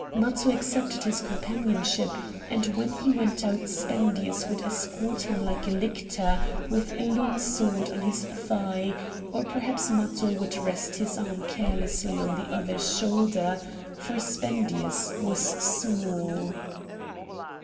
Matho accepted his companionship, and when he went out Spendius would escort him like a lictor with a long sword on his thigh; or perhaps Matho would rest his arm carelessly on the other's shoulder, for Spendius was small.